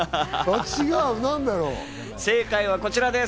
正解はこちらです。